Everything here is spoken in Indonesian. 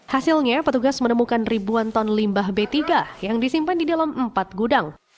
hasilnya petugas menemukan ribuan ton limbah b tiga yang disimpan di dalam empat gudang